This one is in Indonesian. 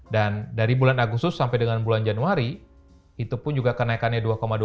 dan dari bulan agustus sampai dengan bulan januari itu pun juga kenaikannya dua dua puluh lima